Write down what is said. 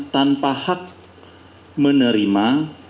tanpa hak menerima